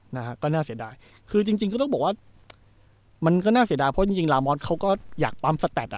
นะฮะก็น่าเสียดายคือจริงจริงก็ต้องบอกว่ามันก็น่าเสียดายเพราะจริงจริงลามอสเขาก็อยากปั๊มสแตดอ่ะ